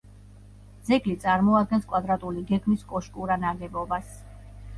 ძეგლი წარმოადგენს კვადრატული გეგმის კოშკურა ნაგებობას.